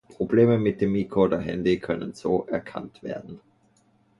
Probleme mit dem Micro oder Handy können so erkannt werden.